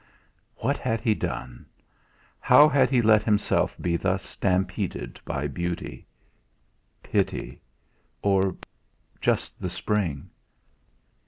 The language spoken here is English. What had he done? How had he let himself be thus stampeded by beauty pity or just the spring!